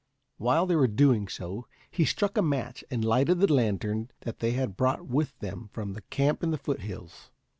While they were doing so, he struck a match and lighted the lantern that they had brought with them from their camp in the foothills.